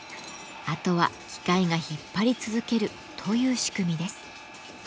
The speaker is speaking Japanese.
あとは機械が引っ張り続けるという仕組みです。